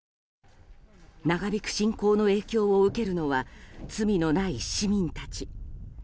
長引く侵攻の影響を受けるのは罪のない市民たち。